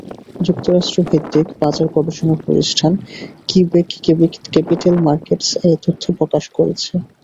যুক্তরাষ্ট্রভিত্তিক বাজার গবেষণা প্রতিষ্ঠান কিব্যাংক ক্যাপিকাল মার্কেটস এ তথ্য প্রকাশ করেছে।